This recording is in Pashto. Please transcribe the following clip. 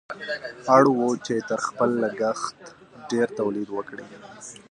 اړ وو چې تر خپل لګښت ډېر تولید وکړي.